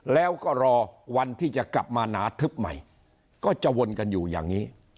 แล้วก็รอวันที่จะกลับมาหนาทึบใหม่ก็จะวนกันอยู่อย่างนี้